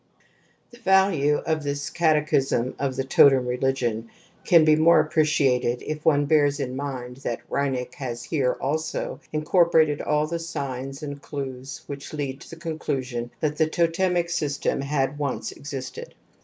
The value of this catechism of the totem re ligion can be more appreciated if one bears in mind that Reinach has here also incorporated all the signs and clews which lead to the conclusion that the totemic system had once existed.